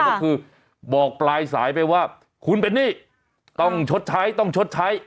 ก็คือบอกปลายสายไปว่าคุณเป็นหนี้ต้องชดใช้ต้องชดใช้